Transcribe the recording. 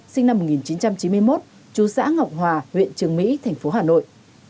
sinh năm một nghìn chín trăm chín mươi một chú xã ngọc hòa huyện trường mỹ thành phố hà nội